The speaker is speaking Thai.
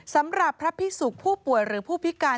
สำหรับพระพิสุกผู้ป่วยหรือผู้พิการ